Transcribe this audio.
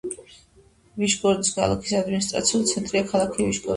ვიშგოროდის რაიონის ადმინისტრაციული ცენტრია ქალაქი ვიშგოროდი.